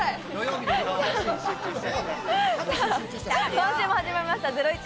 今週も始まりました『ゼロイチ』。